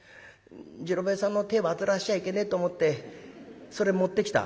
次郎兵衛さんの手煩わしちゃいけねえと思ってそれ持ってきた」。